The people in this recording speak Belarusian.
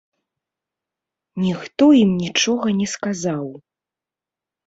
Ніхто ім нічога не сказаў.